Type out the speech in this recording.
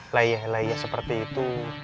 layah layah seperti itu